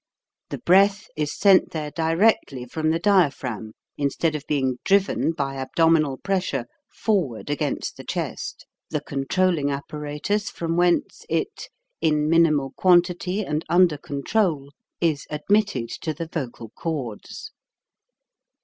The breath is sent there directly from the diaphragm instead of being driven by abdominal pressure forward against the chest, the controlling apparatus from whence it, in minimal quantity and under control, is admitted to the vocal cords.